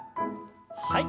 はい。